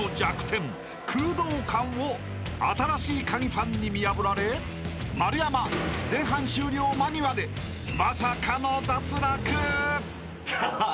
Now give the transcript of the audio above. ［を『新しいカギ』ファンに見破られ丸山前半終了間際でまさかの脱落！］